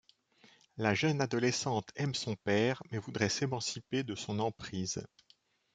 La jeune adolescente aime son père mais voudrait s’émanciper de son emprise.